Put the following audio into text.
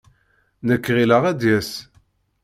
Nekk ɣileɣ ad d-yas.